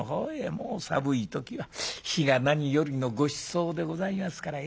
もう寒い時は火が何よりのごちそうでございますから。